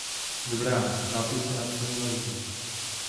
Dobrá, nápis je napsaný na zdi.